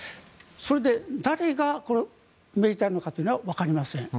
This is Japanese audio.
それで誰が命じたのかというのはわかりません。